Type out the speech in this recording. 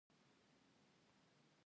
مينه سپيڅلی ده